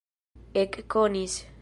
ekkonis